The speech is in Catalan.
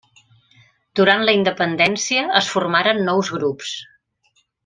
Durant la independència es formaren nous grups.